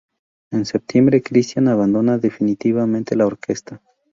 En setiembre Christian abandona definitivamente la orquesta.